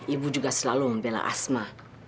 ibu juga selalu membela asma